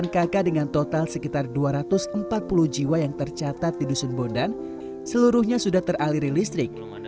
enam kakak dengan total sekitar dua ratus empat puluh jiwa yang tercatat di dusun bondan seluruhnya sudah teraliri listrik